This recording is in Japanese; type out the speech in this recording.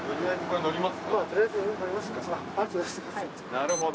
なるほど。